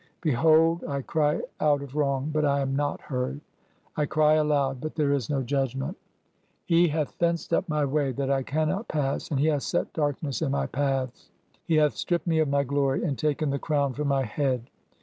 Behold, I cry out of wrong, but I am not heard : I cry aloud, but there is no judgment. THE SACK OF KESWICK 287 He hath fenced up my way that I cannot pass, and He hath set darkness in my paths. He hath stripped me of my glory, and taken the crown from my head.